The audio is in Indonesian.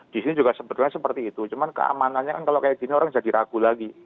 di sini juga sebetulnya seperti itu cuma keamanannya kan kalau kayak gini orang jadi ragu lagi